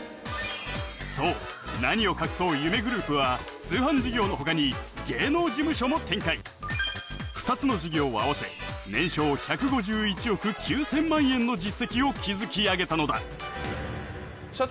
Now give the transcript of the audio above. そう何を隠そう夢グループは通販事業のほかに芸能事務所も展開２つの事業を合わせ年商１５１億９０００万円の実績を築き上げたのだ社長